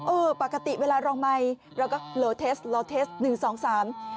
เออปกติเวลาลองใหม่แล้วก็ลอเทสลอเทสหนึ่งสองสาม